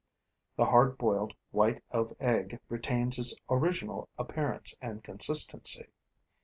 The hardboiled white of egg retains its original appearance and consistency.